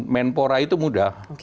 menpora itu muda